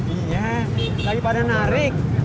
iya lagi pada narik